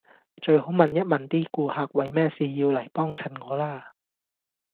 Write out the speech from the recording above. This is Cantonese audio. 最好問一問啲顧客為咩事要嚟幫襯我啦